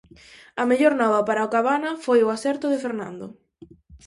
A mellor nova para o Cabana foi o acerto de Fernando.